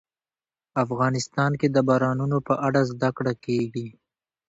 افغانستان کې د بارانونو په اړه زده کړه کېږي.